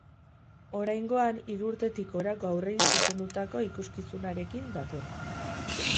Oraingoan, hiru urtetik gorako haurrei zuzendutako ikuskizunarekin dator.